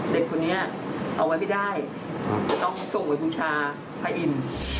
เด็กคนนี้เอาไว้ไม่ได้ต้องส่งไว้พุชาพระอิม